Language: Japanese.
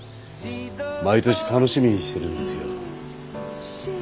毎年楽しみにしてるんですよ。